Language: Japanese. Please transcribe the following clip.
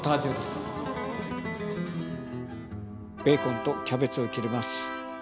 ベーコンとキャベツを切ります。